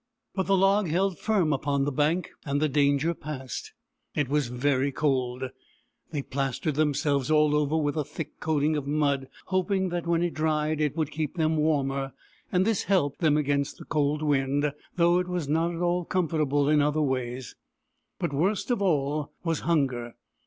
But the log held firm upon the bank, and the danger passed. It was very cold. They plastered themselves all over with a thick coating of mud, hoping that when it dried it would keep them warmer ; and this helped them against the cold wind, though it was not at all comfortable in other ways. But worst of all was hunger.